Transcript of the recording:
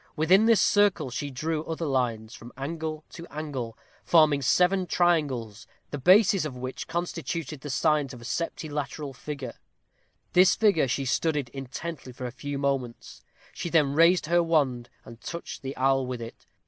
Within this circle she drew other lines, from angle to angle, forming seven triangles, the bases of which constituted the sides of a septilateral figure. This figure she studied intently for a few moments. She then raised her wand and touched the owl with it.